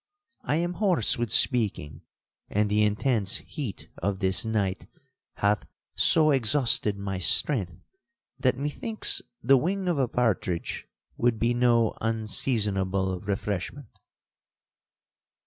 I am hoarse with speaking; and the intense heat of this night hath so exhausted my strength, that methinks the wing of a partridge would be no unseasonable refreshment.'